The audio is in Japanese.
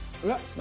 何？